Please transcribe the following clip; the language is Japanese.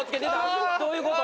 どういうこと？